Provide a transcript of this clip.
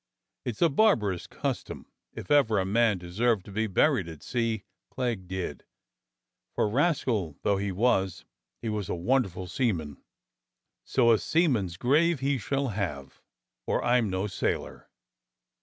It's a barbarous custom. If ever a man deserved to be buried at sea, Clegg did, for rascal though he was, he was a wonderful seaman, so a seaman's grave he shall have, or I'm no sailor."